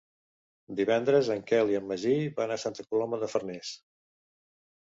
Divendres en Quel i en Magí van a Santa Coloma de Farners.